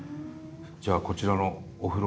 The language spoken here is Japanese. じゃあこちらのどうぞ。